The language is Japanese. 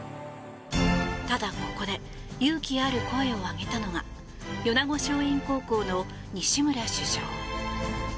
ただ、ここで勇気ある声を上げたのは米子松蔭高校の西村主将。